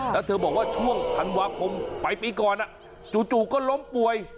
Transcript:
แล้วเธอบอกว่าช่วงธันวาคมไปปีก่อนจู่ก็ล้มป่วย